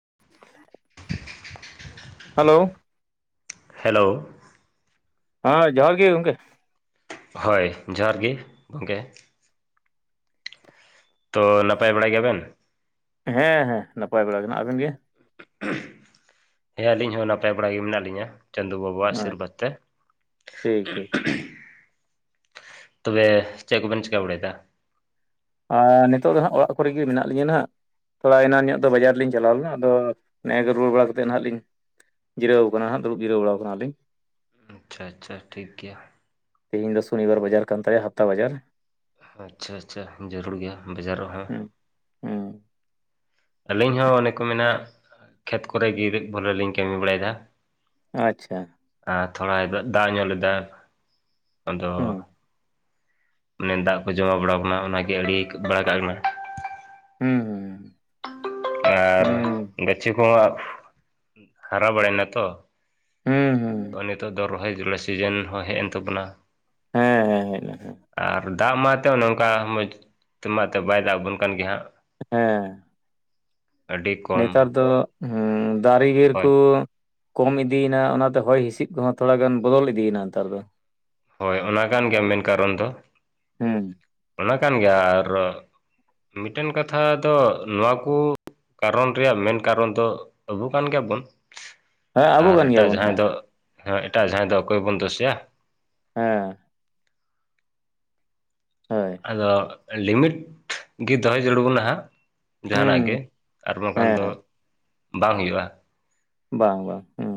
[inaudible] Hello. Hello. ᱦᱮᱸ ᱡᱚᱦᱟᱨ ᱜᱮ ᱜᱚᱢᱠᱮ ᱾ ᱦᱳᱭ ᱡᱚᱦᱟᱨ ᱜᱮ ᱜᱚᱢᱠᱮ ᱾ ᱛᱚ, ᱱᱟᱯᱟᱭ ᱵᱟᱲᱟᱭ ᱜᱮᱭᱟ ᱵᱮᱱ? ᱦᱮᱸ ᱦᱮᱸ ᱱᱟᱯᱟᱭ ᱵᱟᱲᱟ ᱜᱮ ᱟᱵᱮᱱ ᱜᱮ ᱦᱮᱸ ᱟᱹᱞᱤᱧ ᱦᱚᱸ ᱱᱟᱯᱟᱭ ᱵᱟᱲᱟ ᱜᱮ ᱢᱮᱱᱟᱜ ᱞᱤᱧᱟᱹ᱾ ᱪᱟᱫᱳ ᱵᱟᱵᱟ ᱟᱜ ᱟᱪ ᱚᱥᱤᱨᱵᱚᱛ ᱛᱮ ᱴᱷᱤᱠ ᱴᱷᱤᱠ ᱛᱚᱵᱮ ᱪᱮᱫ ᱠᱚᱵᱮᱱ ᱪᱤᱠᱟᱹ ᱵᱟᱲᱟᱭ ᱮᱫᱟ ᱾ ᱟᱨ ᱱᱤᱛᱚᱜ ᱫᱚ ᱦᱟᱸᱜ ᱚᱲᱟᱜ ᱠᱚᱨᱮ ᱜᱮ ᱢᱮᱱᱟᱜ ᱞᱤᱧᱟᱹ ᱱᱟᱦᱟᱜ ᱛᱷᱚᱲᱟ ᱮᱱᱟᱱ ᱧᱚᱜ ᱫᱚ ᱵᱟᱡᱟᱨ ᱞᱤᱧ ᱪᱟᱞᱟᱣ ᱞᱮᱱᱟ᱾ ᱟᱫᱚ ᱱᱮ ᱜᱮ ᱨᱩᱣᱟᱹᱲ ᱵᱟᱲᱟ ᱠᱟᱛᱮᱫ ᱱᱟᱦᱟᱜ ᱞᱤᱧ ᱡᱤᱨᱟᱹᱣ ᱟᱠᱟᱱᱟ ᱦᱟᱸᱜ ᱫᱩᱲᱩᱵ ᱡᱤᱨᱟᱹᱣ ᱟᱠᱟᱱᱟ ᱞᱤᱧ ᱟᱪᱪᱷᱟ ᱟᱪᱪᱷᱟ ᱴᱷᱤᱠ ᱜᱮᱭᱟ᱾ ᱛᱮᱦᱮᱧ ᱫᱚ ᱥᱚᱱᱤᱵᱟᱨ ᱵᱟᱡᱟᱨ ᱠᱟᱱ ᱛᱟᱭᱟ ᱦᱟᱯᱛᱟ ᱵᱟᱡᱟᱨ ᱟᱪᱪᱷᱟ ᱟᱪᱪᱷᱟ ᱡᱟᱹᱨᱩᱲ ᱜᱮᱭᱟ ᱵᱟᱡᱟᱨ ᱨᱮ ᱦᱚᱸ ᱾ ᱦᱩᱸ ᱦᱩᱸ ᱟᱹᱞᱤᱧ ᱦᱚᱸ ᱚᱱᱮ ᱠᱚ ᱢᱮᱱᱟᱜ ᱠᱷᱮᱛ ᱠᱚᱨᱮ ᱜᱮ ᱵᱚᱞᱮ ᱞᱤᱧ ᱠᱟᱹᱢᱤ ᱵᱟᱲᱟᱭ ᱮᱫᱟ᱾ ᱟᱪᱪᱷᱟ ᱟᱨ ᱛᱷᱚᱲᱟ ᱫᱟᱜ ᱧᱚᱜ ᱞᱮᱫᱟ᱾ ᱟᱫᱚ ᱦᱩᱸ ᱢᱮᱱ ᱫᱟᱜ ᱠᱚ ᱡᱚᱢᱟ ᱵᱟᱲᱟ ᱟᱠᱟᱱᱟ ᱚᱱᱟ ᱜᱮ ᱟᱹᱰᱤ ᱵᱟᱲ ᱠᱟᱜ ᱠᱟᱱᱟ᱾ ᱦᱩᱸ ᱦᱩᱸ ᱟᱨ ᱦᱩᱸ ᱜᱟᱹᱪᱷᱤ ᱠᱚ ᱦᱚᱸ ᱦᱟᱨᱟ ᱵᱟᱲᱟᱭ ᱱᱟ ᱛᱚ᱾ ᱦᱮᱸ ᱦᱮᱸ ᱛᱚ ᱱᱤᱛᱚᱜ ᱫᱚ ᱨᱚᱦᱚᱭ ᱡᱩᱞᱟᱭ ᱥᱤᱡᱮᱱ ᱦᱚᱸ ᱦᱮᱡ ᱮᱱ ᱛᱟᱵᱚᱱᱟ᱾ ᱦᱮᱸ ᱦᱮᱸ ᱦᱮᱡ ᱞᱮᱱᱟ ᱟᱨ ᱫᱟᱜ ᱢᱟ ᱮᱱᱛᱮ ᱚᱱᱠᱟ ᱢᱚᱡᱽ ᱛᱮ ᱢᱟ ᱮᱛᱮ ᱵᱟᱭ ᱫᱟᱜ ᱟᱵᱚᱱ ᱠᱟᱱ ᱜᱮ ᱦᱟᱸᱜ ᱦᱮᱸ ᱟᱹᱰᱤ ᱠᱚᱢ ᱱᱮᱛᱟᱨ ᱫᱚ ᱫᱟᱨᱮ ᱵᱤᱨ ᱦᱳᱭ ᱠᱚ ᱠᱚᱢ ᱤᱫᱤᱭᱮᱱᱟ ᱚᱱᱟ ᱛᱮ ᱦᱚᱭ ᱦᱤᱸᱥᱤᱫ ᱠᱚ ᱦᱚᱸ ᱛᱷᱚᱲᱟ ᱜᱟᱱ ᱵᱚᱫᱚᱞ ᱤᱫᱤᱭᱮᱱᱟ ᱱᱮᱛᱟᱨ ᱫᱚ᱾ ᱦᱳᱭ ᱚᱱᱟ ᱠᱟᱱ ᱜᱮᱭᱟ ᱢᱮᱱ ᱠᱟᱨᱚᱱ ᱫᱚ ᱦᱩᱸ ᱚᱱᱟ ᱠᱟᱱ ᱜᱮᱭᱟ ᱟᱨ ᱢᱤᱫ ᱴᱮᱱ ᱠᱟᱛᱷᱟ ᱫᱚ ᱱᱚᱣᱟ ᱠᱚ ᱠᱟᱨᱚᱱ ᱨᱮᱭᱟᱜ ᱢᱮᱱ ᱠᱟᱨᱚᱱ ᱫᱚ ᱟᱵᱚ ᱠᱟᱱ ᱜᱮᱭᱟ ᱵᱚᱱ᱾ ᱦᱮᱸ ᱟᱵᱚ ᱟᱨ ᱠᱟᱱ ᱮᱴᱟᱜ ᱜᱮᱭᱟᱵᱚᱱ ᱦᱳᱭ ᱡᱟᱦᱟᱸᱭ ᱫᱚ ᱮᱴᱟᱜ ᱡᱟᱦᱟᱸᱭ ᱫᱚ ᱚᱠᱚᱭ ᱵᱚᱱ ᱫᱳᱥᱮᱭᱟ᱾ ᱦᱮᱸ ᱦᱳᱭ ᱟᱫᱚ ᱞᱤᱢᱤᱴ ᱜᱮ ᱫᱚᱦᱚᱭ ᱡᱚᱲᱩ ᱵᱚᱱᱟ ᱦᱟᱸᱜ ᱡᱟᱦᱟᱱᱟᱜ ᱦᱩᱸ ᱜᱮ ᱟᱨ ᱵᱟᱝ ᱠᱷᱟᱱ ᱫᱚ ᱦᱮᱸ ᱵᱟᱝ ᱦᱩᱭᱩᱜᱼᱟ᱾ ᱵᱟᱝ ᱵᱟᱝ ᱦᱮᱸ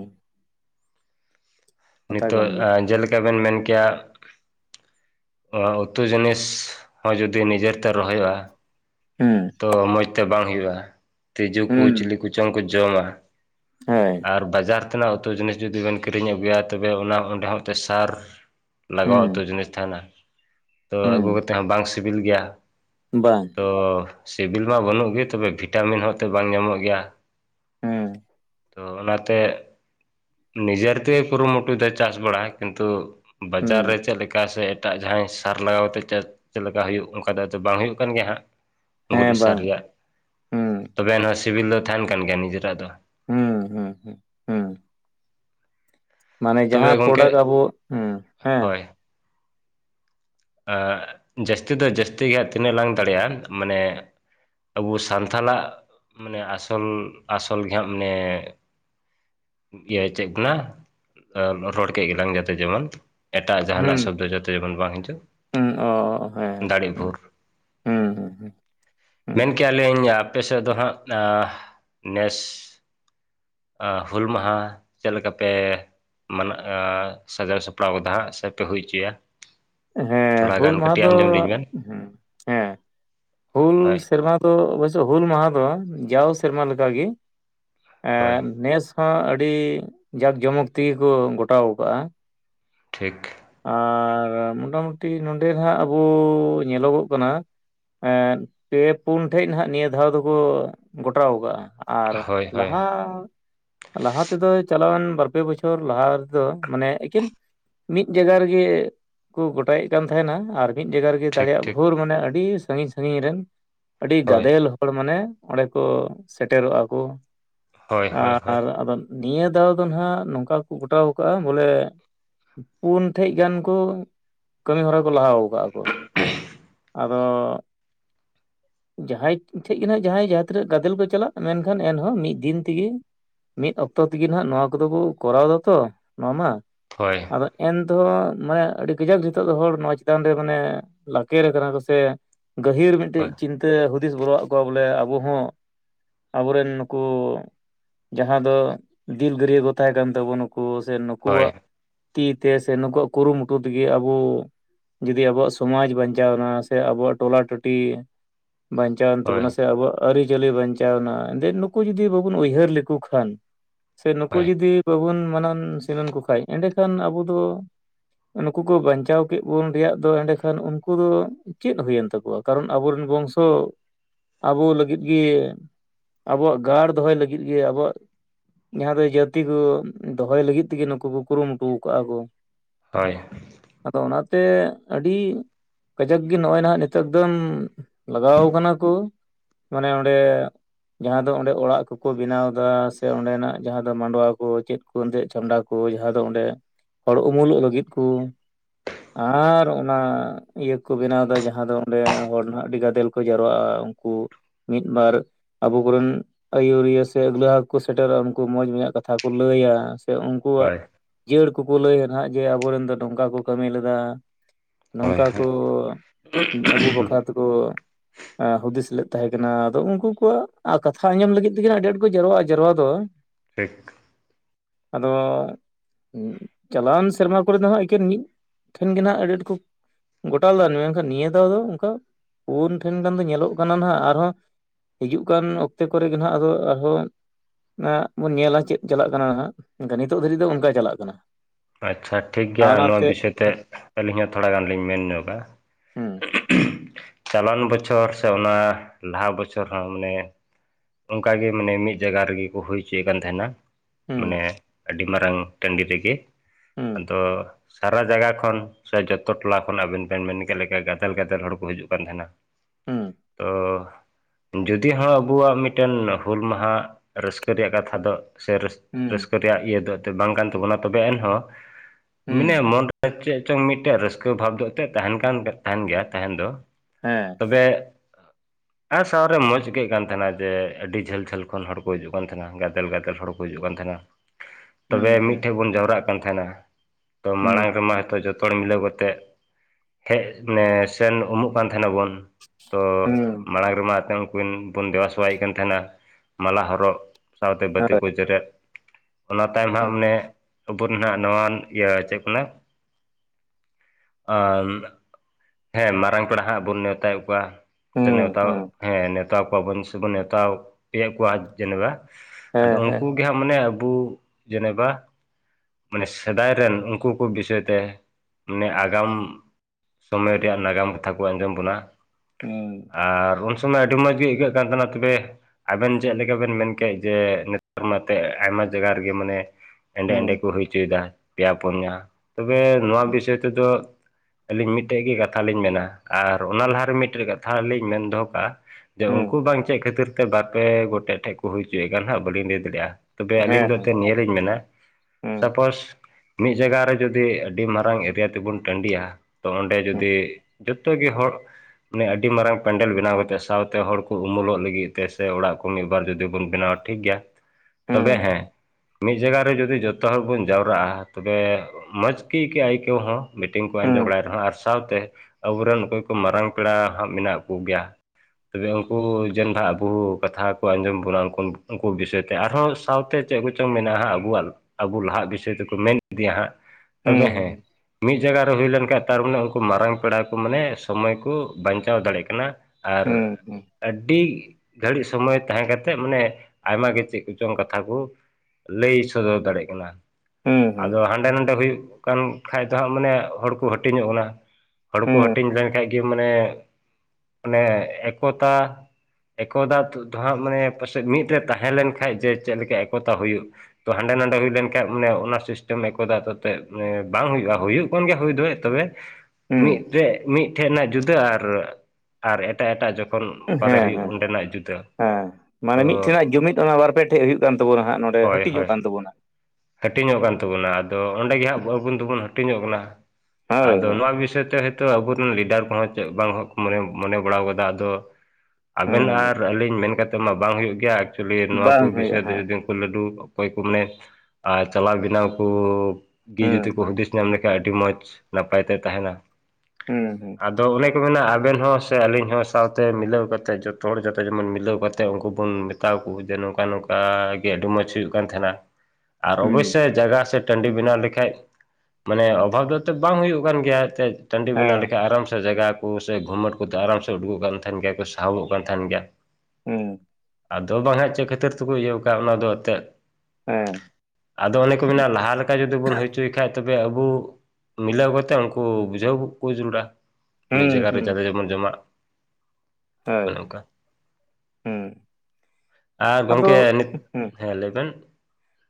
ᱠᱟᱛᱷᱟ ᱱᱤᱛᱚᱜ ᱠᱟᱱ ᱜᱮᱭᱟ ᱡᱮᱞᱮᱠᱟ ᱵᱮᱱ ᱢᱮᱱ ᱠᱮᱭᱟ᱾ ᱱᱚᱣᱟ ᱩᱛᱩ ᱡᱤᱱᱤᱥ ᱦᱚᱸ ᱡᱩᱫᱤ ᱱᱤᱡᱮ ᱛᱮ ᱨᱚᱦᱚᱭᱚᱜᱼᱟ᱾ ᱦᱮᱸ ᱛᱚ ᱢᱚᱡᱽ ᱛᱮ ᱵᱟᱝ ᱦᱩᱭᱩᱜᱼᱟ᱾ ᱛᱤᱡᱩ ᱠᱚ ᱦᱩᱸ ᱪᱤᱞᱤ ᱠᱚᱪᱚᱝ ᱠᱚ ᱡᱚᱢᱟ᱾ ᱦᱳᱭ ᱟᱨ ᱵᱟᱡᱟᱨ ᱛᱮᱱᱟᱜ ᱩᱛᱩ ᱡᱤᱱᱤᱥ ᱡᱩᱫᱤ ᱵᱮᱱ ᱠᱤᱨᱤᱧ ᱟᱹᱜᱩᱭᱟ ᱛᱚᱵᱮ ᱚᱱᱟ ᱚᱸᱰᱮ ᱦᱚᱸ ᱛᱮ ᱥᱟᱨ ᱞᱟᱜᱟᱣ ᱦᱩᱸ ᱩᱛᱩ ᱡᱤᱱᱤᱥ ᱛᱟᱦᱮᱱᱟ ᱛᱳ ᱦᱩᱸ ᱟᱹᱜᱩ ᱛᱮ ᱦᱚᱸ ᱵᱟᱝ ᱥᱤᱵᱤᱞ ᱜᱮᱭᱟ᱾ ᱵᱟᱝ ᱛᱚ ᱥᱤᱵᱤᱞ ᱢᱟ ᱵᱟᱹᱱᱩᱜ ᱜᱮ ᱛᱚ ᱵᱮ ᱵᱷᱤᱴᱟᱢᱤᱱ ᱦᱚᱸᱛᱚ ᱵᱟᱝ ᱧᱟᱢᱚᱜ ᱜᱮᱭᱟ᱾ ᱦᱮᱸ ᱛᱚ ᱚᱱᱟᱛᱮ ᱱᱤᱡᱮᱨ ᱛᱮ ᱠᱩᱨᱩ ᱢᱩᱩᱴᱩ ᱫᱚ ᱪᱟᱥ ᱵᱟᱲᱟ ᱠᱤᱱᱛᱩ ᱦᱩᱸ ᱵᱟᱡᱟᱨ ᱨᱮ ᱪᱮᱫ ᱞᱮᱠᱟ ᱥᱮ ᱮᱴᱟᱜ ᱡᱟᱦᱟᱸᱭ ᱥᱟᱨ ᱞᱟᱜᱟᱣ ᱠᱟᱛᱮᱫ ᱪᱮᱫ ᱪᱮᱫ ᱞᱮᱠᱟ ᱦᱩᱭᱩᱜ ᱚᱱᱠᱟ ᱫᱚ ᱛᱚ ᱵᱟᱝ ᱦᱩᱭᱩᱜ ᱠᱟᱱ ᱜᱮᱭᱟ ᱦᱟᱸᱜ ᱦᱮᱸ ᱜᱩᱨᱤᱡ ᱥᱟᱨ ᱵᱟᱝ ᱨᱮᱭᱟᱜ ᱦᱩᱸ ᱛᱚ ᱵᱮ ᱮᱱᱦᱚᱸ ᱥᱤᱵᱤᱞ ᱫᱚ ᱛᱟᱦᱮᱱ ᱠᱟᱱ ᱜᱮᱭᱟ ᱱᱤᱡᱮᱨᱟᱜ ᱫᱚ᱾ ᱦᱩᱸ ᱦᱩᱸ ᱦᱩᱸ ᱦᱩᱸ ᱢᱟᱱᱮ ᱛᱚᱵᱮ ᱡᱟᱦᱟᱸ ᱯᱨᱚᱰᱟᱠᱴ ᱜᱚᱝᱠᱮ ᱟᱵᱚ ᱦᱩᱸ ᱦᱮᱸ ᱟᱸ ᱡᱟᱹᱥᱛᱤ ᱫᱚ ᱡᱟᱹᱥᱛᱤ ᱜᱮ ᱦᱟᱸᱜ ᱛᱤᱱᱟᱹᱜ ᱞᱟᱝ ᱫᱟᱲᱮᱭᱟᱜᱼᱟ ᱢᱟᱱᱮ ᱟᱵᱚ ᱥᱟᱱᱛᱷᱟᱞᱟᱜ ᱢᱟᱱᱮ ᱟᱥᱚᱞ ᱟᱥᱚᱞ ᱜᱷᱮᱢ ᱦᱟᱸᱜ ᱢᱟᱱᱮ ᱜᱤᱭᱟᱭ ᱪᱮᱜ ᱠᱟᱱᱟ ᱮᱸ ᱨᱚᱲ ᱠᱮᱜ ᱜᱮᱞᱟᱝ ᱡᱟᱛᱮ ᱡᱮᱢᱚᱱ ᱮᱴᱟᱜ ᱡᱟᱸᱦᱟ ᱱᱟᱜ ᱦᱩᱸ ᱥᱚᱵᱽᱫᱚ ᱡᱟᱛᱮ ᱡᱮᱢᱚᱱ ᱵᱟᱝ ᱦᱤᱡᱩᱜ ᱦᱩᱸ ᱚ ᱦᱮᱸ ᱫᱟᱲᱮᱜ ᱦᱩᱸ ᱵᱷᱳᱨ ᱦᱩᱸ ᱦᱩᱸ ᱦᱩᱸ ᱢᱮᱱ ᱠᱮᱜᱼᱟ ᱞᱤᱧ ᱟᱯᱮ ᱥᱮᱫ ᱫᱚ ᱱᱷᱟᱸᱜ ᱟᱸ ᱱᱮᱥ ᱟᱻ ᱦᱩᱞ ᱢᱟᱦᱟ ᱪᱮᱫ ᱞᱮᱠᱟ ᱯᱮ ᱢᱟᱱᱟᱜᱼᱟ ᱥᱟᱜᱟᱣ ᱥᱟᱯᱲᱟᱣ ᱠᱚ ᱫᱚ ᱦᱟᱸᱜ ᱥᱮᱯᱮ ᱦᱩᱭ ᱪᱩᱭᱟ᱾ ᱦᱮᱸ ᱦᱩᱞ ᱢᱟᱸᱦᱟ ᱫᱚ ᱞᱤᱧ ᱵᱮᱱ ᱦᱮᱸ ᱦᱩᱞ ᱦᱳᱭ ᱥᱮᱨᱢᱟ ᱫᱚ ᱚᱵᱳᱥᱥᱳ ᱦᱩᱞ ᱢᱟᱦᱟ ᱫᱚ ᱡᱟᱣ ᱥᱮᱨᱢᱟ ᱞᱮᱠᱟ ᱜᱤ ᱮᱻ ᱦᱳᱭ ᱱᱮᱥ ᱦᱟᱸᱜ ᱟᱹᱰᱤ ᱡᱟᱠ ᱡᱚᱢᱚᱠ ᱛᱤᱜᱤ ᱠᱚ ᱜᱷᱚᱴᱟᱣ ᱠᱟᱜᱼᱟ ᱴᱷᱤᱠ᱾ ᱟᱨ ᱢᱚᱴᱟᱢᱩᱴᱤ ᱱᱚᱸᱰᱮ ᱦᱟᱸᱜ ᱟᱵᱚ ᱧᱮᱞᱚᱜᱚᱜ ᱠᱟᱱᱟ᱾ ᱮᱸᱫ ᱯᱮ ᱯᱩᱱ ᱴᱷᱮᱡ ᱱᱟᱜ ᱱᱤᱭᱟᱹ ᱫᱷᱟᱣ ᱫᱚᱠᱚ ᱜᱚᱴᱟᱣ ᱠᱟᱜᱼᱟ ᱟᱨ ᱦᱳᱭ ᱦᱳᱭ ᱞᱟᱦᱟ, ᱞᱟᱦᱟ ᱛᱮᱫᱚ ᱪᱟᱞᱟᱣᱮᱱ ᱵᱟᱨᱯᱮ ᱵᱚᱪᱷᱚᱨ ᱞᱟᱦᱟ ᱨᱮᱫᱚ ᱢᱟᱱᱮ ᱮᱠᱮᱱ ᱡᱟᱜᱟ ᱨᱤᱜᱮ ᱠᱚ ᱜᱚᱴᱟᱭᱮᱫ ᱠᱟᱱ ᱛᱟᱸᱦᱮᱱᱟ ᱟᱨ ᱢᱤᱫ ᱡᱟᱭᱜᱟ ᱨᱤᱜᱮ ᱴᱷᱤᱠ ᱫᱟᱲᱮᱭᱟᱜ ᱴᱷᱤᱠ ᱵᱷᱳᱨ ᱢᱟᱱᱮ ᱟᱹᱰᱤ ᱥᱟᱺᱜᱤᱧ ᱥᱟᱺᱜᱤᱧ ᱨᱮᱱ ᱟᱹᱰᱤ ᱦᱳᱭ ᱜᱟᱫᱮᱞ ᱦᱚᱲ ᱢᱟᱱᱮ ᱚᱸᱰᱮ ᱠᱚ ᱥᱮᱴᱮᱨᱚᱜᱼᱟ ᱠᱩ ᱦᱳᱭ ᱦᱳᱭ ᱟᱨ ᱦᱳᱭ ᱟᱫᱚ ᱱᱤᱭᱟᱹ ᱫᱟᱣ ᱫᱚ ᱱᱟᱜ ᱱᱚᱝᱠᱟ ᱠᱚ ᱜᱷᱚᱴᱟᱣ ᱠᱟᱜᱼᱟ ᱵᱚᱞᱮ ᱯᱩᱱ ᱴᱷᱮᱡ ᱜᱟᱱ ᱠᱚ ᱠᱟᱹᱢᱤ ᱦᱚᱨᱟ ᱠᱚ ᱞᱟᱦᱟᱣ ᱠᱟᱜᱼᱟ ᱠᱚ ᱟᱫᱚᱻ ᱡᱟᱦᱟᱸᱭ ᱴᱷᱮᱡ ᱜᱮ ᱱᱟᱦᱟᱸᱜ ᱡᱟᱦᱟᱸᱭ ᱡᱟᱦᱟᱸ ᱛᱤᱱᱟᱹᱜ ᱜᱟᱫᱮᱞ ᱠᱚ ᱪᱟᱞᱟᱜ ᱢᱮᱱᱠᱷᱟᱱ ᱮᱱᱦᱚᱸ ᱢᱤᱫ ᱫᱤᱱ ᱛᱤᱜᱤ ᱢᱤᱫ ᱚᱠᱛᱚ ᱛᱤᱜᱤ ᱱᱷᱟᱸᱜ ᱱᱚᱣᱟ ᱠᱚᱫᱚ ᱵᱚ ᱠᱚᱨᱟᱣ ᱮᱫᱟ ᱛᱚ ᱱᱚᱣᱟ ᱢᱟ᱾ ᱦᱚᱭ, ᱮᱱᱫᱦᱚ ᱢᱟᱱᱮ ᱟᱹᱰᱤ ᱠᱟᱡᱟᱠ ᱱᱤᱛᱚᱜ ᱫᱚ ᱦᱚᱲ ᱱᱚᱣᱟ ᱪᱮᱛᱟᱱ ᱨᱮ ᱢᱟᱱᱮ ᱞᱟᱠᱮᱨ ᱠᱟᱱᱟ ᱠᱚ ᱥᱮ ᱜᱟᱹᱦᱤᱨ ᱢᱤᱜᱴᱤᱡ ᱦᱳᱭ ᱪᱤᱱᱛᱟᱹ ᱦᱩᱫᱤᱥ ᱵᱚᱞᱚᱭᱟᱜ ᱠᱚᱣᱟ ᱵᱚᱞᱮ ᱟᱵᱚ ᱦᱚᱸ, ᱟᱵᱚᱨᱮᱱ ᱱᱩᱠᱩ ᱡᱟᱦᱟᱸᱭ ᱫᱚ ᱫᱤᱞ ᱜᱟᱹᱨᱭᱟᱹ ᱠᱚ ᱛᱟᱦᱮᱸ ᱠᱟᱱ ᱛᱟᱵᱚ ᱱᱩᱠᱩ ᱥᱮ ᱱᱩᱠ- ᱦᱚᱭ, ᱛᱤ ᱛᱮ ᱥᱮ ᱱᱩᱠᱩᱣᱟᱜ ᱠᱩᱨᱩᱢᱩᱴᱩ ᱛᱮᱜᱮ ᱟᱵᱚ ᱡᱩᱫᱤ ᱟᱵᱚᱣᱟᱜ ᱥᱚᱢᱟᱡᱽ ᱵᱟᱧᱪᱟᱣ ᱮᱱᱟ ᱥᱮ ᱟᱵᱚᱣᱟᱜ ᱴᱚᱞᱟ ᱴᱩᱴᱤ ᱵᱟᱧᱪᱟᱣᱮᱱ ᱦᱳᱭ ᱛᱟᱵᱚᱱᱟ ᱦᱳᱭ ᱥᱮ ᱟᱵᱚᱣᱟᱜ ᱟᱹᱨᱤᱪᱟᱹᱞᱤ ᱵᱟᱧᱪᱟᱣ ᱱᱟ ᱫᱮᱱ ᱱᱩᱠᱩ ᱡᱩᱫᱤ ᱵᱟᱵᱚᱱ ᱩᱭᱦᱟᱹᱨ ᱞᱮᱠᱚ ᱠᱷᱟᱱ ᱥᱮ ᱱᱩᱠᱩ ᱦᱳᱭ ᱡᱩᱫᱤ ᱵᱟᱵᱚᱱ ᱢᱟᱱᱟᱱ ᱥᱮᱱᱟᱹᱱ ᱠᱚ ᱠᱷᱟᱡ ᱮᱸᱰᱮ ᱠᱷᱟᱱ ᱟᱵᱚ ᱫᱚ ᱱᱩᱠᱩ ᱠᱚ ᱵᱟᱧᱪᱟᱣ ᱠᱮᱜ ᱵᱚᱱ ᱨᱮᱭᱟᱜ ᱫᱚ ᱮᱸᱰᱮᱠᱷᱟᱱ ᱩᱱᱠᱩ ᱫᱚ ᱪᱮᱫ ᱦᱩᱭᱮᱱ ᱛᱟᱠᱚᱣᱟ ᱠᱟᱨᱚᱱ ᱟᱵᱚᱨᱮᱱ ᱵᱚᱝᱥᱚ ᱟᱵᱚ ᱞᱟᱹᱜᱤᱫ ᱜᱤ ᱟᱵᱚᱣᱟᱜ ᱜᱟᱲ ᱫᱚᱦᱚᱭ ᱞᱟᱹᱜᱤᱫ ᱜᱮ ᱟᱵᱚᱣᱟᱜ ᱡᱟᱦᱟᱸ ᱫᱚ ᱡᱟᱹᱛᱤ ᱠᱚ ᱫᱚᱦᱚᱭ ᱞᱟᱹᱜᱤᱫ ᱛᱤᱜᱤ ᱱᱩᱠᱩ ᱠᱚ ᱠᱩᱨᱩᱢᱩᱴᱩᱣ ᱠᱟᱜᱼᱟ ᱠᱚ᱾ ᱦᱚᱭ ᱦᱚᱭ ᱟᱫᱚ ᱚᱱᱟ ᱛᱮ ᱟᱹᱰᱤ ᱠᱟᱡᱟᱠ ᱜᱮ ᱱᱚᱜ-ᱚᱭ ᱱᱟᱦᱟᱜ ᱱᱤᱛᱚᱜ ᱫᱚᱹᱝ ᱞᱟᱜᱟᱣ ᱠᱟᱱᱟ ᱠᱚ ᱚᱱᱮ ᱚᱸᱰᱮ ᱡᱟᱦᱟᱸ ᱫᱚ ᱚᱸᱰᱮ ᱚᱲᱟᱜ ᱠᱚᱠᱚ ᱵᱮᱱᱟᱣᱫᱟ ᱥᱮ ᱚᱸᱰᱮᱱᱟᱜ ᱡᱟᱦᱟᱸ ᱫᱚ ᱢᱟᱸᱰᱚᱣᱟ ᱠᱚ ᱪᱮᱫ? ᱠᱚ ᱮᱱᱛᱮᱡ ᱪᱷᱟᱢᱰᱟ ᱠᱚ ᱡᱟᱦᱟᱸ ᱫᱚ ᱚᱸᱰᱮ ᱦᱚᱲ ᱩᱢᱩᱞᱚᱜ ᱞᱟᱹᱜᱤᱫ ᱠᱩ ᱟᱨ ᱚᱱᱟ ᱤᱭᱟᱹ ᱠᱩ ᱵᱮᱱᱟᱣᱫᱟ ᱡᱟᱦᱟᱸ ᱫᱚ ᱚᱸᱰᱮ ᱦᱚᱲ ᱱᱟᱦᱟᱜ ᱟᱹᱰᱤ ᱜᱟᱫᱮᱞ ᱠᱚ ᱡᱟᱨᱚᱣᱟᱜᱼᱟ ᱩᱝᱠᱩ ᱢᱤᱫᱵᱟᱨ ᱟᱵᱚ ᱠᱚᱨᱮᱱ ᱟᱹᱭᱩᱨᱤᱭᱟᱹ ᱥᱮ ᱟᱹᱜᱞᱟᱹᱦᱟ ᱠᱩ ᱥᱮᱴᱮᱨᱚᱜᱼᱟ ᱩᱱᱠᱩ ᱢᱚᱸᱡᱽ ᱢᱚᱡᱽᱟᱜ ᱠᱟᱛᱷᱟ ᱠᱚ ᱞᱟᱹᱭᱟ ᱥᱮ ᱩᱱᱠᱩᱣᱟᱜ ᱦᱳᱭ ᱡᱤᱭᱟᱹᱲ ᱠᱩᱠᱩ ᱞᱟᱹᱭᱟ ᱱᱟᱜ ᱡᱮ ᱟᱵᱚᱨᱮᱱ ᱫᱚ ᱱᱚᱝᱠᱟ ᱠᱩ ᱠᱟᱹᱢᱤ ᱞᱮᱫᱟ ᱦᱳᱭ ᱱᱚᱝᱠᱟ ᱦᱳᱭ ᱠᱚ ᱟᱹᱵᱩ ᱵᱟᱠᱷᱨᱟ ᱛᱮᱠᱚ ᱟ ᱦᱩᱫᱤᱥ ᱞᱮᱫ ᱛᱟᱦᱮᱸ ᱠᱟᱱᱟ ᱟᱫᱚ ᱩᱱᱠᱩ ᱠᱚᱣᱟᱜ ᱠᱟᱛᱷᱟ ᱟᱸᱡᱚᱢ ᱞᱟᱹᱜᱤᱫ ᱛᱮᱜᱮ ᱟᱹᱰᱤ ᱟᱸᱴ ᱠᱚ ᱡᱟᱨᱣᱟᱜᱼᱟ ᱡᱟᱨᱣᱟ ᱫᱚ ᱾ ᱴᱷᱤᱠ ᱟᱫᱚᱻ [unintelligible] ᱪᱟᱞᱟᱣᱮᱱ ᱥᱮᱨᱢᱟ ᱠᱚᱨᱮ ᱫᱚ ᱦᱟᱜ ᱮᱠᱮᱱ ᱢᱤᱫ ᱴᱷᱮᱱ ᱜᱮ ᱱᱟᱜ ᱟᱹᱰᱤ ᱟᱸᱴ ᱠᱩ ᱜᱚᱴᱟ ᱞᱮᱫᱟ ᱢᱮᱱᱠᱷᱟᱱ ᱱᱤᱭᱟᱹ ᱫᱷᱟᱣ ᱫᱚ ᱚᱱᱠᱟ ᱯᱩᱱ ᱴᱷᱮᱱ ᱜᱟᱱ ᱫᱚ ᱧᱮᱞᱚᱜ ᱠᱟᱱᱟ ᱱᱟᱦᱟᱜ ᱟᱨᱦᱚᱸ ᱦᱤᱡᱩᱜ ᱠᱟᱱ ᱚᱠᱛᱮ ᱠᱚᱨᱮ ᱜᱮ ᱱᱟᱦᱟᱸᱜ ᱟᱫᱚ ᱟᱨᱦᱚᱸ ᱚᱱᱟ ᱵᱚᱱ ᱧᱮᱞᱟ ᱪᱮᱫ ᱪᱟᱞᱟᱜ ᱠᱟᱱᱟ ᱱᱟᱦᱟᱜ ᱢᱮᱱᱠᱟᱷᱟᱱ ᱱᱤᱛᱳᱜ ᱫᱷᱟᱹᱨᱤᱡ ᱫᱚ ᱚᱱᱠᱟ ᱪᱟᱞᱟᱜ ᱠᱟᱱᱟ ᱾ ᱟᱪᱪᱷᱟ ᱴᱷᱤᱠᱜᱮᱭᱟ ᱱᱚᱣᱟ ᱵᱤᱥᱚᱭ ᱛᱮ ᱟᱹᱞᱤᱧ ᱦᱚᱸ ᱛᱷᱚᱲᱟ ᱜᱟᱱ ᱞᱤᱧ ᱢᱮᱱ ᱧᱚᱜᱟ ᱾ ᱦᱩᱸ ᱪᱟᱞᱟᱣᱮᱱ ᱵᱚᱪᱷᱚᱨ ᱥᱮ ᱚᱱᱟ ᱞᱟᱦᱟ ᱵᱚᱪᱷᱚᱨ ᱦᱚᱸ ᱢᱟᱱᱮ ᱚᱱᱠᱟᱜᱮ ᱢᱟᱱᱮ ᱢᱤᱫ ᱡᱟᱭᱜᱟ ᱨᱮᱜᱮ ᱠᱚ ᱦᱩᱭ ᱦᱚᱪᱚᱭᱮ ᱠᱟᱱ ᱛᱟᱦᱮᱱᱟ ᱦᱩᱸ ᱢᱟᱱᱮ ᱟᱹᱰᱤ ᱢᱟᱨᱟᱝ ᱴᱟᱺᱰᱤ ᱨᱮᱜᱮ, ᱦᱩᱸ ᱟᱫᱚ ᱥᱟᱨᱟ ᱡᱟᱜᱟ ᱠᱷᱚᱱ ᱥᱮ ᱡᱚᱛᱚ ᱴᱚᱞᱟ ᱠᱷᱚᱱ ᱟᱵᱮᱱ ᱵᱮᱱ ᱢᱮᱱ ᱠᱮᱫ ᱞᱮᱠᱟ ᱜᱟᱫᱮᱞ ᱜᱟᱫᱮᱞ ᱦᱚᱲ ᱠᱚ ᱦᱤᱡᱩᱜ ᱠᱟᱱ ᱛᱟᱦᱮᱱᱟ ᱦᱩᱸ ᱾ ᱛᱚᱻ ᱡᱩᱫᱤ ᱦᱚᱸ ᱟᱵᱚᱣᱟᱜ ᱢᱤᱫ ᱴᱮᱱ ᱦᱩᱞ ᱢᱟᱦᱟ ᱨᱟᱹᱥᱠᱟᱹ ᱨᱮᱭᱟᱜ ᱠᱟᱛᱷᱟ ᱫᱚ ᱥᱮ ᱨᱟᱹᱥ ᱦᱩᱸ ᱨᱟᱹᱥᱠᱟᱹ ᱨᱮᱭᱟᱜ ᱤᱭᱟᱹ ᱫᱚ ᱛᱮ ᱵᱟᱝ ᱠᱟᱱ ᱛᱟᱵᱚᱱᱟ ᱛᱚᱵᱮ ᱮᱱᱦᱚᱸ ᱦᱩᱸ ᱢᱮᱱᱮ ᱢᱚᱱᱨᱮ ᱪᱮᱫ ᱪᱚᱝ ᱢᱤᱫᱴᱮᱡ ᱨᱟᱹᱥᱠᱟᱹ ᱵᱷᱟᱵᱽ ᱫᱚ ᱮᱛᱮᱫ ᱛᱟᱦᱮᱱ ᱠᱟᱱ ᱛᱟᱦᱮᱱ ᱜᱮᱭᱟ ᱛᱟᱦᱮᱱ ᱫᱚ ᱦᱮᱸ ᱛᱚᱵᱮ ᱟ ᱥᱟᱶᱨᱮ ᱢᱚᱡᱽ ᱟᱹᱭᱠᱟᱹᱜ ᱠᱟᱱ ᱛᱟᱦᱮᱱᱟ᱾ ᱡᱮ ᱟᱹᱰᱤ ᱡᱷᱟᱹᱞ ᱡᱷᱟᱹᱞ ᱠᱷᱚᱱ ᱦᱚᱲ ᱠᱩ ᱦᱤᱡᱩᱜ ᱠᱟᱱ ᱛᱟᱦᱮᱱᱟ ᱜᱟᱫᱮᱞ ᱜᱟᱫᱮᱞ ᱦᱚᱲ ᱠᱩ ᱦᱤᱡᱩᱜ ᱠᱟᱱ ᱛᱟᱦᱮᱱᱟ ᱾ ᱦᱩᱸ ᱛᱚᱵᱮ ᱢᱤᱫ ᱦᱩᱸ ᱴᱷᱮᱱ ᱵᱚᱱ ᱡᱟᱣᱨᱟᱜ ᱠᱟᱱ ᱛᱟᱦᱮᱱᱟ ᱛᱚ ᱦᱩᱸ ᱢᱟᱲᱟᱝ ᱨᱮᱢᱟ [unintelligible] ᱡᱚᱛᱚ ᱦᱚᱲ ᱢᱤᱞᱟᱹᱣ ᱠᱟᱛᱮ ᱦᱮᱡ ᱱᱮ ᱥᱮᱱ ᱩᱢᱩᱜ ᱠᱟᱱ ᱛᱟᱦᱮᱱᱟ ᱵᱚᱱ ᱾ ᱛᱚ ᱦᱩᱸ ᱢᱟᱲᱟᱝ ᱨᱮᱢᱟ ᱮᱛᱚᱢ [unintelligible] [unintelligible] ᱠᱟᱱ ᱛᱟᱦᱮᱱᱟ ᱢᱟᱞᱟ ᱦᱚᱨᱚᱜ ᱥᱟᱶᱛᱮ ᱵᱟᱹᱛᱤ ᱦᱳᱭ ᱠᱚ ᱡᱮᱨᱮᱫ ᱚᱱᱟ ᱛᱟᱭᱚᱢ ᱦᱟᱸᱜ ᱦᱩᱸ ᱢᱟᱱᱮ ᱟᱵᱚᱨᱮᱱ ᱦᱟᱸᱜ ᱱᱚᱣᱟᱱ ᱤᱭᱟᱹ ᱪᱮᱫ ᱠᱚ ᱞᱟᱹᱭᱟ [unintelligible] ᱦᱮᱸ ᱢᱟᱨᱟᱝ ᱯᱮᱲᱟ ᱦᱟᱸᱜ ᱵᱚᱱ ᱱᱮᱣᱛᱟᱭᱮᱫ ᱠᱚᱣᱟ ᱾ ᱥᱮ ᱦᱩᱸ ᱱᱮᱣᱛᱟ, ᱦᱩᱸ ᱦᱮᱸ ᱱᱮᱶᱛᱟ ᱠᱚᱣᱟᱵᱚᱱ ᱥᱮᱵᱚᱱ ᱱᱮᱣᱛᱮᱫ ᱠᱚᱣᱟ ᱡᱮᱱᱮᱵᱟ ᱟᱫᱚ ᱦᱮᱸ ᱦᱮᱸ ᱩᱱᱠᱩ ᱜᱮ ᱦᱟᱸᱜ ᱢᱟᱱᱮ ᱟᱹᱵᱩ ᱡᱮᱱᱮᱵᱟ ᱢᱟᱱᱮ ᱥᱮᱫᱟᱭ ᱨᱮᱱ ᱩᱱᱠᱩ ᱠᱚ ᱵᱤᱥᱚᱭ ᱛᱮ ᱢᱟᱱᱮ ᱟᱜᱟᱢ ᱥᱚᱢᱚᱭ ᱨᱮᱭᱟᱜ ᱱᱟᱜᱟᱢ ᱠᱟᱛᱷᱟ ᱠᱚ ᱟᱸᱡᱚᱢ ᱵᱚᱱᱟ ᱩᱸ ᱟᱨ ᱩᱱ ᱥᱚᱢᱚᱭ ᱟᱹᱰᱤ ᱢᱚᱡᱽ ᱜᱮ ᱟᱹᱭᱠᱟᱹᱜ ᱠᱟᱱ ᱛᱟᱦᱮᱱᱟ ᱛᱚᱵᱮ ᱟᱵᱮᱱ ᱪᱮᱫ ᱞᱮᱠᱟ ᱵᱮᱱ ᱢᱮᱱ ᱠᱮᱫ ᱡᱮ ᱱᱮᱛᱟᱨ ᱢᱟ ᱮᱛᱮᱫ ᱟᱭᱢᱟ ᱡᱟᱭᱜᱟ ᱨᱮᱜᱮ ᱢᱟᱱᱮ ᱮᱸᱰᱮ ᱮᱸᱰᱮ ᱠᱚ ᱦᱩᱭ ᱦᱚᱪᱚᱭᱮᱫᱟ ᱯᱮᱭᱟ ᱯᱩᱱᱭᱟ ᱛᱚᱵᱮ ᱱᱚᱣᱟ ᱵᱤᱥᱚᱭ ᱛᱮᱫᱚ ᱟᱹᱞᱤᱧ ᱢᱤᱫᱴᱮᱡ ᱜᱮ ᱠᱟᱛᱷᱟ ᱞᱤᱧ ᱢᱮᱱᱟ, ᱟᱨ ᱚᱱᱟ ᱞᱟᱦᱟᱨᱮ ᱢᱤᱫᱴᱮᱡ ᱠᱟᱛᱷᱟ ᱞᱤᱧ ᱢᱮᱱ ᱫᱚᱦᱚ ᱠᱟᱜᱼᱟ ᱡᱮ ᱩᱱᱠᱩ ᱵᱟᱝ ᱪᱮᱫ ᱠᱷᱟᱹᱛᱤᱨ ᱛᱮ ᱵᱟᱨᱯᱮ ᱜᱚᱴᱮᱡ ᱴᱷᱮᱡ ᱠᱚ ᱦᱩᱭ ᱦᱚᱪᱚᱭᱮᱫ ᱠᱟᱱ ᱦᱟᱸᱜ ᱵᱟᱹᱞᱤᱧ ᱞᱟᱹᱭ ᱫᱟᱲᱮᱭᱟᱜᱼᱟ ᱾ ᱛᱚᱵᱮ ᱟᱹᱞᱤᱧ ᱫᱚ ᱮᱛᱮ ᱱᱤᱭᱟᱹ ᱞᱤᱧ ᱢᱮᱱᱟ ᱥᱟᱯᱳᱥ ᱢᱤᱫ ᱡᱟᱜᱟ ᱨᱮ ᱡᱩᱫᱤ ᱟᱹᱰᱤ ᱢᱟᱨᱟᱝ ᱮᱨᱤᱭᱟ ᱛᱮᱵᱚᱱ ᱴᱟᱺᱰᱤᱭᱟ ᱛᱚ ᱚᱸᱰᱮ ᱡᱩᱫᱤ ᱡᱚᱛᱚ ᱜᱮ ᱦᱚᱲ ᱢᱟᱱᱮ ᱟᱹᱰᱤ ᱢᱟᱨᱟᱝ ᱯᱮᱱᱰᱮᱞ ᱵᱮᱱᱟᱣ ᱠᱟᱛᱮ ᱥᱟᱶᱛᱮ ᱦᱚᱲ ᱠᱚ ᱩᱢᱩᱞᱚᱜ ᱞᱟᱹᱜᱤᱫ ᱞᱟᱹᱜᱤᱫ ᱛᱮᱥ ᱚᱲᱟᱜ ᱠᱚ ᱢᱤᱫ ᱵᱟᱨ ᱡᱩᱫᱤ ᱵᱚᱱ ᱵᱮᱱᱟᱣ ᱴᱷᱤᱠ ᱜᱮᱭᱟ ᱛᱚᱵᱮ ᱦᱮᱸᱼᱼ ᱢᱤᱫ ᱡᱟᱭᱜᱟ ᱨᱮ ᱡᱩᱫᱤ ᱡᱚᱛᱚ ᱦᱚᱲ ᱵᱚᱱ ᱡᱟᱣᱨᱟᱜᱼᱟ, ᱛᱚᱵᱮ ᱢᱚᱡᱽ ᱜᱮ ᱟᱹᱭᱠᱟᱹᱜᱼᱟ ᱟᱹᱭᱠᱟᱹᱣ ᱦᱚᱸ ᱢᱤᱴᱤᱝ ᱠᱚ ᱟᱸᱡᱚᱢ ᱵᱟᱲᱟᱭ ᱨᱮᱦᱚᱸ ᱟᱨ ᱥᱟᱶᱛᱮ ᱟᱵᱚᱨᱮᱱ ᱚᱠᱚᱭ ᱢᱟᱨᱟᱝ ᱯᱮᱲᱟ ᱦᱟᱸᱜ ᱢᱮᱱᱟᱜ ᱠᱚᱜᱮᱭᱟ ᱛᱚᱵᱮ ᱩᱱᱠᱩᱼᱼ ᱡᱮᱱ ᱦᱟᱜ ᱟᱵᱚ ᱠᱟᱛᱷᱟ ᱠᱚ ᱟᱸᱡᱚᱢ ᱵᱚᱱᱟ ᱩᱱ ᱩᱱᱠᱩ ᱵᱤᱥᱚᱭ ᱛᱮ ᱟᱨᱦᱚᱸ ᱥᱟᱶᱛᱮ ᱪᱮᱫ ᱠᱚᱪᱚᱝ ᱢᱮᱱᱟᱜᱼᱟ ᱟᱵᱚᱣᱟᱜ ᱟᱵᱚ ᱞᱟᱦᱟᱜ ᱵᱤᱥᱚᱭ ᱛᱮᱠᱚ ᱢᱮᱱ ᱤᱫᱤᱭᱟ ᱦᱟᱸᱜ ᱛᱚᱵᱮ ᱦᱮᱸᱼᱼ ᱢᱤᱫ ᱡᱟᱭᱜᱟ ᱨᱮ ᱦᱩᱭ ᱞᱮᱱᱠᱟᱱ ᱛᱟᱨ ᱢᱟᱱᱮ ᱩᱱᱠᱩ ᱢᱟᱨᱟᱝ ᱯᱮᱲᱟ ᱠᱚ ᱢᱟᱱᱮ ᱥᱚᱢᱚᱭ ᱠᱚ ᱵᱟᱧᱪᱟᱣ ᱫᱟᱲᱮᱭᱟᱜ ᱠᱟᱱᱟ ᱾ ᱦᱮᱸ ᱦᱮᱸ ᱾ ᱟᱹᱰᱤ ᱜᱷᱟᱹᱲᱤᱡ ᱥᱚᱢᱚᱭ ᱛᱟᱦᱮᱸ ᱠᱟᱛᱮᱫ ᱢᱟᱱᱮ ᱟᱭᱢᱟ ᱜᱮ ᱪᱮᱫ ᱠᱚᱪᱚᱝ ᱠᱟᱛᱷᱟ ᱠᱩᱼᱼ ᱞᱟᱹᱭ ᱥᱚᱫᱚᱨ ᱫᱟᱲᱭᱟᱜ ᱠᱟᱱᱟ ᱾ ᱟᱫᱚ ᱦᱟᱸᱰᱮ ᱱᱟᱰᱮ ᱦᱩᱭᱩᱜᱼᱼ ᱠᱟᱱ ᱠᱷᱟᱡ ᱫᱚ ᱦᱟᱸᱜ ᱢᱟᱱᱮ ᱦᱚᱲ ᱠᱚ ᱦᱟᱹᱴᱤᱧᱚᱜ ᱠᱟᱱᱟ ᱦᱚᱲ ᱠᱚ ᱦᱟᱹᱴᱤᱧ ᱞᱮᱱᱠᱷᱟᱡ ᱜᱮ ᱢᱟᱱᱮᱼᱼ ᱢᱟᱱᱮ ᱮᱠᱚᱛᱟ ᱮᱠᱚᱛᱟ ᱫᱚᱦᱟᱸᱜ ᱢᱟᱱᱮ ᱯᱟᱥᱮᱡ ᱢᱤᱫ ᱨᱮ ᱛᱟᱦᱮᱸ ᱞᱮᱱᱠᱟᱱᱡ ᱡᱮ ᱪᱮᱫ ᱞᱮᱠᱟ ᱮᱠᱚᱛᱟ ᱦᱩᱭᱩᱜ ᱛᱚ ᱦᱟᱸᱰᱮ ᱱᱟᱰᱮ ᱦᱩᱭ ᱞᱮᱱ ᱠᱷᱟᱱᱡ ᱢᱟᱱᱮ ᱚᱱᱟ ᱥᱤᱥᱴᱮᱢ ᱮᱠ ᱫᱟᱜ ᱛᱮᱫᱮ ᱵᱟᱝ ᱦᱩᱭᱩᱜᱼᱟ ᱦᱩᱭᱩᱜ ᱠᱟᱱ ᱜᱮᱭᱟ ᱦᱩᱭ ᱫᱚ᱾ ᱛᱚᱵᱮ ᱢᱤᱫᱴᱮᱡ ᱢᱤᱫᱴᱷᱮᱱ ᱨᱮᱱᱟᱜ ᱡᱩᱫᱟᱹ ᱟᱨ ᱮᱴᱟᱜ ᱮᱴᱟᱜ ᱡᱚ ᱠᱷᱚᱱᱼᱼ ᱚᱠᱟᱨᱮ ᱦᱮᱸ ᱦᱩᱭᱩᱜ ᱚᱸᱰᱮᱱᱟᱜᱼᱼ ᱦᱮᱸ ᱢᱟᱱᱮ ᱢᱤᱫ ᱴᱷᱮᱱᱟᱜ ᱡᱩᱢᱤᱫ ᱚᱱᱟ ᱵᱟᱨ ᱯᱮ ᱴᱷᱮᱡ ᱦᱩᱭᱩᱜ ᱠᱟᱱ ᱛᱟᱵᱚᱱᱟ ᱦᱟᱸᱜ ᱱᱚᱸᱰᱮ ᱦᱳᱭ ᱦᱟᱹᱴᱤᱧᱚᱜ ᱦᱳᱭ ᱠᱟᱱ ᱛᱟᱵᱚᱱᱟ᱾ ᱦᱟᱹᱴᱤᱧᱚᱜ ᱠᱟᱱ ᱛᱟᱵᱚᱱᱟ ᱟᱫᱚ ᱚᱸᱰᱮ ᱜᱮ ᱦᱟᱸᱜ ᱟᱵᱩᱱ ᱫᱚᱵᱚᱱ ᱦᱟᱹᱴᱤᱧᱚᱜ ᱠᱟᱱᱟ᱾ ᱦᱳᱭ ᱟᱫᱚ ᱦᱳᱭ᱾ ᱱᱚᱣᱟ ᱵᱤᱥᱚᱭ ᱛᱮ ᱦᱚᱳᱭᱛᱳ ᱟᱵᱚᱨᱮᱱ ᱞᱤᱰᱟᱨ ᱠᱚᱦᱚᱸ ᱪᱮᱫ ᱵᱟᱝ ᱢᱚᱱᱮ ᱵᱟᱲᱟ ᱠᱟᱫᱟ ᱟᱫᱚᱼᱼ ᱟᱵᱮᱱ ᱦᱩᱸ ᱟᱨ ᱟᱹᱞᱤᱧ ᱢᱮᱱ ᱠᱟᱛᱮ ᱢᱟ ᱵᱟᱝ ᱦᱩᱭᱩᱜ ᱜᱮᱭᱟ ᱮᱠᱪᱩᱭᱮᱞᱤ ᱱᱚᱣᱟ ᱠᱚ ᱵᱟᱝ ᱦᱩᱭᱩᱜᱼᱟ ᱵᱤᱥᱚᱭ ᱫᱚ ᱦᱮᱸ᱾ ᱡᱩᱫᱤᱼᱼ ᱞᱟᱹᱰᱩ ᱚᱠᱚᱭ ᱠᱚ ᱢᱟᱱᱮ ᱟᱨ ᱪᱟᱞᱟᱣ ᱵᱮᱱᱟᱣ ᱠᱚᱜ ᱦᱩᱸ ᱡᱩᱫᱤ ᱠᱚ ᱦᱩᱫᱤᱥᱼᱼ ᱧᱟᱢ ᱞᱮᱠᱷᱟᱡ ᱟᱹᱰᱤ ᱢᱚᱡᱽ ᱱᱟᱯᱟᱭ ᱛᱮ ᱛᱟᱦᱮᱱᱟ᱾ ᱦᱩᱸ ᱦᱩᱸ ᱟᱫᱚ ᱚᱱᱮ ᱠᱚ ᱢᱮᱱᱟ ᱟᱵᱮᱱ ᱦᱚᱸ ᱥᱮ ᱟᱹᱞᱤᱧ ᱦᱚᱸ ᱥᱟᱶᱛᱮ ᱢᱤᱞᱟᱹᱣ ᱠᱟᱼᱼ ᱠᱟᱛᱮᱫ ᱡᱚᱛᱚ ᱦᱚᱲ ᱡᱟᱛᱮ ᱡᱮᱢᱚᱱ ᱢᱤᱞᱟᱹᱣ ᱠᱟᱛᱮᱫ ᱩᱱᱠᱩ ᱵᱚᱱ ᱢᱮᱛᱟᱣ ᱠᱚ ᱡᱮ ᱱᱚᱝᱠᱟ ᱱᱚᱝᱠᱟ ᱜᱮ ᱟᱹᱰᱤ ᱢᱚᱡᱽ ᱦᱩᱭᱩᱜ ᱠᱟᱱ ᱛᱟᱦᱮᱱᱟ᱾ ᱟᱨ ᱦᱩᱸ ᱚᱵᱚᱥᱚᱭ ᱡᱟᱭᱜᱟ ᱥᱮᱼᱼ ᱴᱟᱺᱰᱤ ᱵᱮᱱᱟᱣ ᱞᱮᱠᱷᱟᱡ ᱢᱟᱱᱮ ᱚᱵᱷᱟᱵᱽ ᱫᱚ ᱮᱛᱮᱫ ᱵᱟᱝ ᱦᱩᱭᱩᱜ ᱠᱟᱱ ᱜᱮᱭᱟ ᱮᱱᱛᱮᱫᱼᱼ ᱴᱟᱺᱰᱤ ᱵᱮᱱᱟᱣ ᱦᱮᱸ ᱞᱮᱠᱟᱱᱡ ᱟᱨᱟᱢ ᱥᱮ ᱡᱟᱭᱜᱟ ᱠᱚ ᱥᱮ ᱜᱩᱢᱟᱹᱴ ᱠᱚᱛᱮ ᱟᱨᱟᱢ ᱥᱮ ᱩᱰᱩᱠᱚᱜ ᱠᱟᱱ ᱛᱟᱦᱮᱱ ᱜᱮᱭᱟ ᱠᱚ ᱥᱟᱦᱚᱵᱚᱜ ᱠᱟᱱ ᱛᱟᱦᱮᱱ ᱜᱮᱭᱟ᱾ ᱚᱸ ᱟᱫᱚ ᱵᱟᱝ ᱦᱟᱜ ᱪᱮᱫ ᱠᱷᱟᱹᱛᱤᱨ ᱛᱮᱠᱚ ᱤᱭᱟᱹᱣ ᱠᱟᱜ ᱚᱱᱟᱫᱚ ᱮᱱᱮᱫᱼᱼ ᱦᱮᱸ ᱟᱫᱚ ᱚᱱᱮ ᱠᱚ ᱢᱮᱱᱟ ᱞᱟᱦᱟ ᱞᱮᱠᱟ ᱡᱩᱫᱤ ᱵᱚᱱ ᱦᱩᱭ ᱦᱚᱪᱚᱭ ᱠᱷᱟᱡ ᱛᱚᱵᱮ ᱟᱵᱚᱼᱼ ᱢᱤᱞᱟᱹᱣ ᱠᱟᱛᱮᱜ ᱩᱱᱠᱩ ᱵᱩᱡᱷᱟᱹᱣ ᱠᱚ ᱡᱟᱹᱨᱩᱲᱟ ᱢᱤᱫ ᱦᱩᱸ ᱡᱟᱭᱜᱟ ᱨᱮ ᱦᱩᱸ ᱡᱟᱛᱮ ᱡᱮᱢᱚᱱ ᱡᱚᱢᱟᱜᱼᱼ ᱦᱳᱭ ᱦᱮᱸ ᱟᱨ ᱜᱚᱝᱠᱮ ᱱᱤᱛ ᱦᱮᱸ ᱞᱟᱹᱭ ᱵᱮᱱ?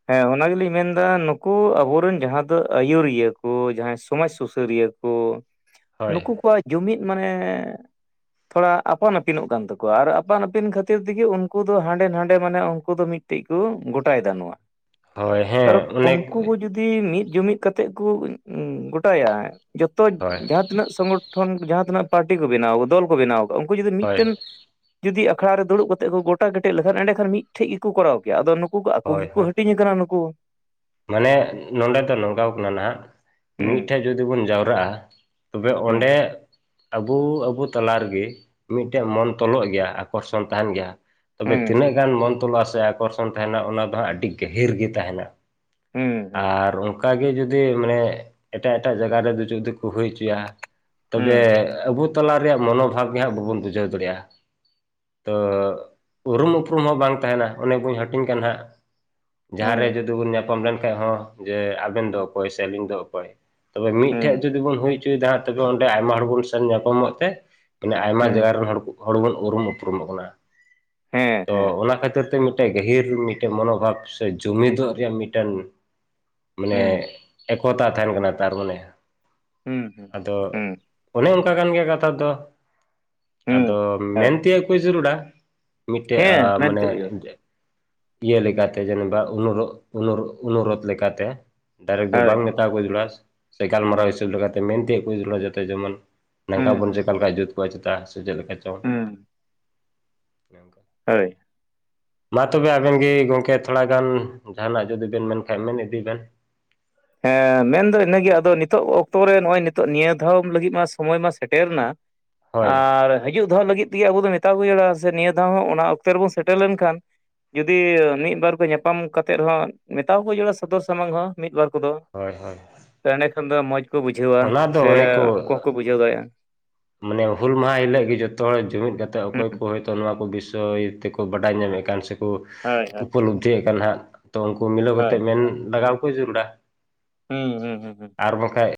ᱦᱮᱸ ᱚᱱᱟ ᱜᱮᱞᱤᱧ ᱢᱮᱱᱫᱟ ᱱᱩᱠᱩ ᱟᱵᱚᱨᱮᱱ ᱡᱟᱦᱟᱸ ᱡᱟᱦᱟᱸ ᱫᱚ ᱟᱹᱭᱩᱨᱤᱭᱟᱹ ᱠᱚ ᱡᱟᱦᱟᱸᱭ ᱥᱚᱢᱟᱡᱽ ᱥᱩᱥᱟᱹᱨᱤᱭᱟᱹ ᱠᱚ, ᱦᱳᱭ ᱱᱩᱠᱩ ᱠᱚᱣᱟᱜ ᱡᱩᱢᱤᱫ ᱢᱟᱱᱮᱼᱼ ᱛᱷᱚᱲᱟ ᱟᱯᱟᱱ ᱟᱹᱯᱤᱱᱚᱜ ᱠᱟᱱ ᱛᱟᱠᱚᱣᱟ ᱟᱨ ᱟᱯᱟᱱ ᱟᱹᱯᱤᱱ ᱠᱷᱟᱹᱛᱤᱨ ᱛᱮᱜᱮ ᱩᱱᱠᱩ ᱫᱚ ᱦᱟᱸᱰᱮ ᱱᱟᱷᱟᱰᱮ ᱢᱟᱱᱮ ᱩᱱᱠᱩ ᱫᱚ ᱢᱤᱫᱼᱼ ᱢᱤᱫᱴᱤᱡ ᱠᱚ ᱜᱚᱴᱟᱭ ᱮᱫᱟ ᱱᱚᱣᱟ᱾ ᱦᱳᱭ ᱦᱮᱸ ᱠᱟᱨᱚᱱ ᱚᱱᱮᱠ ᱩᱱᱠᱩ ᱠᱚ ᱡᱩᱫᱤ ᱢᱤᱫ ᱡᱩᱢᱤᱫ ᱠᱟᱛᱮᱜ ᱠᱚ ᱜᱚᱴᱟᱭᱟ᱾ ᱡᱚᱛᱚ ᱦᱳᱭ ᱡᱟᱦᱟᱸ ᱛᱤᱱᱟᱹᱜ ᱥᱚᱝᱜᱚᱴᱷᱚᱱ ᱡᱟᱦᱟᱸ ᱛᱤᱱᱟᱹᱜ ᱯᱟᱨᱴᱤ ᱠᱚ ᱵᱮᱱᱟᱣ ᱫᱚᱞ ᱠᱚ ᱵᱮᱱᱟᱣᱟᱼᱼ ᱩᱱᱠᱩ ᱡᱩᱫᱤ ᱦᱳᱭ ᱢᱤᱫᱴᱮᱱᱼᱼ ᱡᱩᱫᱤ ᱟᱠᱷᱲᱟ ᱨᱮ ᱫᱩᱲᱩᱵ ᱠᱟᱛᱮ ᱠᱚ ᱜᱚᱴᱟ ᱠᱮᱴᱮᱡ ᱞᱮᱠᱷᱟᱱ ᱮᱸᱰᱮᱠᱷᱟᱱ ᱢᱤᱫᱴᱷᱮᱱ ᱜᱮᱠᱚ ᱠᱚᱨᱟᱣ ᱠᱮᱭᱟ ᱟᱫᱚ ᱱᱩᱠᱩ ᱠᱚ ᱟᱠᱚ ᱦᱳᱭ ᱜᱮᱼᱼ ᱦᱳᱭ ᱦᱟᱹᱴᱤᱧ ᱟᱠᱟᱱᱟ ᱱᱩᱠᱩᱼᱼ ᱢᱟᱱᱮ ᱱᱚᱰᱮ ᱫᱚ ᱱᱚᱝᱠᱟ ᱠᱟᱱᱟ ᱱᱟᱦᱟᱜ ᱦᱩᱸ ᱢᱤᱫᱴᱷᱮᱡᱼᱼ ᱡᱩᱫᱤ ᱵᱚᱱ ᱡᱟᱣᱨᱟᱜᱼᱟ ᱛᱚᱵᱮ ᱦᱩᱸ ᱚᱸᱰᱮ ᱟᱵᱚ ᱟᱵᱚ ᱛᱟᱞᱟ ᱨᱮᱜᱮ ᱢᱤᱫᱴᱮᱱ ᱢᱚᱱ ᱛᱚᱞᱚᱜ ᱜᱮᱭᱟ ᱟᱠᱚᱨᱥᱚᱱ ᱛᱟᱦᱮᱱ ᱜᱮᱭᱟ ᱛᱚᱵᱮ ᱦᱩᱸ ᱛᱤᱱᱟᱹᱜ ᱜᱟᱱ ᱢᱚᱱᱛᱚᱞᱟ ᱥᱮ ᱟᱠᱚᱨᱥᱚᱱ ᱛᱟᱦᱮᱱᱟ ᱚᱱᱟ ᱫᱚ ᱦᱟᱸᱜ ᱟᱹᱰᱤ ᱜᱟᱹᱦᱤᱨ ᱜᱮ ᱛᱟᱦᱮᱱᱟ᱾ ᱦᱩᱸ ᱦᱩᱸ ᱟᱨ ᱚᱱᱠᱟᱜᱮ ᱡᱩᱫᱤ ᱢᱟᱱᱮ ᱮᱴᱟᱜ-ᱮᱴᱟᱜ ᱡᱟᱭᱜᱟ ᱨᱮ ᱡᱩᱫᱤ ᱠᱚ ᱦᱩᱭ ᱦᱚᱪᱚᱭᱟ ᱛᱚᱵᱮ ᱦᱩᱸ ᱟᱵᱚ ᱛᱟᱞᱟ ᱨᱮᱭᱟᱜ ᱢᱚᱱᱳᱵᱷᱟᱵᱽ ᱜᱮᱦᱟᱸᱜ ᱵᱟᱵᱚᱱ ᱵᱩᱡᱷᱟᱹᱣ ᱫᱟᱲᱮᱭᱟᱜᱼᱟ᱾ ᱛᱚ ᱩᱨᱩᱢ ᱩᱯᱨᱩᱢ ᱦᱚᱸ ᱵᱟᱝ ᱛᱟᱦᱮᱱᱟ ᱚᱱᱮ ᱵᱟᱹᱧ ᱦᱟᱹᱴᱤᱧ ᱠᱟᱱ ᱦᱟᱸᱜ ᱡᱟᱦᱟᱸ ᱨᱮ ᱦᱩᱸ ᱡᱩᱫᱤ ᱵᱳᱱ ᱧᱟᱯᱟᱢ ᱞᱮᱱᱠᱷᱟᱡ ᱦᱚᱸ ᱡᱮ ᱟᱵᱮᱱ ᱫᱚ ᱚᱠᱚᱭ ᱥᱮ ᱟᱹᱞᱤᱧ ᱫᱚ ᱚᱠᱚᱭ? ᱛᱚᱵᱮ ᱢᱤᱫ ᱴᱷᱮᱡ ᱦᱩᱸ ᱡᱩᱫᱤ ᱵᱚᱱ ᱦᱩᱭ ᱦᱚᱪᱚᱭᱮᱫᱟ ᱛᱚᱵᱮ ᱚᱱᱰᱮ ᱟᱭᱢᱟ ᱦᱚᱲ ᱵᱚᱱ ᱥᱮᱱ ᱧᱟᱯᱟᱢᱚᱜ ᱛᱮ ᱢᱟᱱᱮ ᱟᱭᱢᱟ ᱦᱩᱸ ᱡᱟᱭᱜᱟ ᱨᱮᱱ ᱦᱚᱲ ᱦᱚᱲ ᱵᱚᱱ ᱩᱨᱩᱢ ᱩᱯᱨᱩᱢᱚᱜ ᱠᱟᱱᱟ ᱦᱮᱸ ᱛᱚ ᱦᱮᱸ ᱚᱱᱟ ᱠᱷᱟᱹᱛᱤᱨ ᱛᱮ ᱢᱤᱫ ᱢᱤᱫᱴᱮᱱ ᱜᱟᱹᱦᱤᱨ ᱢᱤᱫᱴᱮᱱ ᱢᱚᱱᱳᱵᱷᱟᱵ ᱥᱮ ᱡᱩᱢᱤᱫᱚᱜ ᱨᱮᱭᱟᱜ ᱢᱤᱫᱴᱮᱱ ᱢᱟᱱᱮ ᱦᱩᱸ ᱮᱠᱚᱛᱟ ᱛᱟᱦᱮᱱ ᱠᱟᱱᱟ ᱛᱟᱨ ᱢᱟᱱᱮ ᱦᱩᱸ ᱟᱫᱚ ᱚᱱᱮ ᱚᱱᱠᱟ ᱠᱟᱱ ᱜᱮᱭᱟ ᱠᱟᱛᱷᱟ ᱫᱚ ᱟᱫᱚ ᱢᱮᱱᱛᱮᱭᱟᱜ ᱠᱚ ᱡᱟᱹᱨᱩᱲᱟ ᱢᱤᱫᱴᱮᱡ ᱢᱟᱱᱮ ᱢᱮᱱᱛᱮ ᱦᱩᱭᱩᱜᱼᱟ ᱤᱭᱟᱹ ᱞᱮᱠᱟᱛᱮ ᱡᱟᱹᱱᱤᱵᱟ ᱩᱱᱩᱨᱚᱜ ᱩᱱᱩᱨᱚᱜ ᱩᱱᱩᱨᱳᱫᱷ ᱞᱮᱠᱟᱛᱮ ᱰᱟᱭᱨᱮᱠᱴ ᱫᱚ ᱦᱳᱭ ᱵᱟᱝ ᱦᱳᱭ ᱢᱮᱛᱟᱣᱟᱠᱚ ᱡᱟᱹᱨᱩᱲᱟᱹᱥ ᱥᱮ ᱜᱟᱞᱢᱟᱨᱟᱣ ᱦᱤᱥᱟᱹᱵᱽ ᱞᱮᱠᱟᱛᱮ ᱢᱮᱱ ᱛᱤᱭᱳᱜ ᱠᱚ ᱡᱟᱹᱨᱩᱲᱟᱹ ᱡᱟᱛᱮ ᱡᱮᱢᱚᱱ ᱱᱟᱝᱠᱟ ᱦᱩᱸ ᱵᱚᱱ ᱦᱩᱸ ᱪᱮᱠᱟ ᱦᱩᱸ ᱞᱮᱠᱷᱟᱡ ᱡᱩᱛ ᱠᱚᱜᱼᱟ ᱪᱮᱛᱟ ᱥᱮ ᱪᱮᱫ ᱞᱮᱠᱟ ᱪᱚᱝ ᱦᱩᱸ [inaudible] ᱦᱟᱹᱭ ᱢᱟ ᱛᱚᱵᱮ ᱟᱵᱮᱱ ᱜᱤ ᱜᱚᱢᱠᱮ ᱛᱷᱚᱲᱟ ᱜᱟᱱ ᱡᱟᱦᱟᱱᱟᱜ ᱡᱩᱫᱤ ᱵᱮᱱ ᱢᱮᱱ ᱠᱷᱟᱱ ᱢᱮᱱ ᱤᱫᱤ ᱵᱮᱱ᱾ ᱦᱮᱸ ᱢᱮᱱᱫᱚ ᱤᱱᱟᱹᱜᱮ ᱟᱫᱚ ᱱᱤᱛᱚᱜ ᱚᱠᱛᱚ ᱨᱮ ᱱᱚᱜᱼᱚᱭ ᱱᱤᱛᱚᱜ ᱱᱤᱭᱟᱹ ᱫᱷᱟᱣ ᱞᱟᱹᱜᱤᱫ ᱢᱟ ᱥᱚᱢᱚᱭ ᱢᱟ ᱥᱮᱴᱮᱨᱮᱱᱟ ᱦᱳᱭ ᱟᱨ ᱦᱤᱡᱩᱜ ᱫᱷᱟᱣ ᱞᱟᱹᱜᱤᱫ ᱛᱮᱜᱮ ᱟᱵᱚ ᱫᱚ ᱢᱮᱛᱟ ᱠᱚ [unintelligible] ᱱᱤᱭᱟᱹ ᱫᱷᱟᱣ ᱦᱚᱸ ᱚᱱᱟ ᱚᱠᱛᱮ ᱨᱮᱵᱚᱱ ᱥᱮᱴᱮᱨ ᱞᱮᱱᱠᱷᱟᱱ ᱡᱩᱫᱤ ᱢᱤᱫ ᱵᱟᱨ ᱠᱚ ᱧᱟᱯᱟᱢ ᱠᱟᱛᱮᱫ ᱨᱮᱦᱚᱸ ᱢᱮᱛᱟᱣᱟᱠᱚ ᱡᱟᱹᱨᱩᱲᱟᱹ ᱥᱚᱫᱚᱨ ᱥᱟᱢᱟᱝᱚᱜᱼᱟ ᱢᱤᱫ-ᱵᱟᱨ ᱠᱚᱫᱚ ᱦᱳᱭ ᱦᱳᱭ ᱮᱸᱰᱮ ᱠᱷᱟᱱ ᱫᱚ ᱢᱚᱡᱽ ᱠᱚ ᱵᱩᱡᱷᱟᱹᱣᱟ ᱚᱱᱟ ᱥᱮ ᱫᱚ ᱚᱱᱮ ᱠᱩ ᱦᱚᱸ ᱠᱚ ᱵᱩᱡᱷᱟᱹᱣ ᱫᱟᱲᱮᱭᱟᱜᱼᱟ᱾ ᱢᱟᱱᱮ ᱦᱩᱞ ᱢᱟᱦᱟᱸ ᱦᱤᱞᱟᱹᱜ ᱜᱤ ᱡᱚᱛᱚ ᱦᱚᱲ ᱡᱩᱢᱤᱫ ᱠᱟᱛᱮ ᱚᱠᱚᱭ ᱦᱩᱸ ᱠᱚ ᱱᱚᱣᱟ ᱠᱚ ᱵᱤᱥᱚᱭ ᱛᱮᱠᱚ ᱵᱟᱰᱟᱭ ᱧᱟᱢᱮᱫ ᱠᱟᱱ ᱥᱮᱠᱚ ᱦᱳᱭ ᱦᱳᱭ ᱩᱯᱚᱞᱚᱵᱽᱫᱷᱤᱭᱮᱫ ᱠᱟᱱ ᱦᱟᱸᱜ ᱛᱚ ᱩᱱᱠᱩ ᱢᱤᱞᱟᱹᱣ ᱦᱳᱭ ᱠᱟᱛᱮᱜ ᱢᱮᱱ ᱞᱟᱜᱟᱣ ᱠᱚ ᱡᱟᱹᱨᱩᱲᱟ ᱦᱩᱸ ᱦᱩᱸ ᱦᱩᱸ ᱦᱩᱸ ᱟᱨ ᱵᱟᱝᱠᱷᱟᱡ